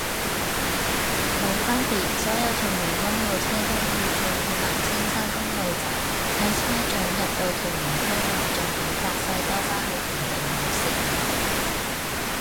冇分別，所有屯門公路車都要轉行青山公路走，睇車長入到屯門區內再點發揮兜返去原定路線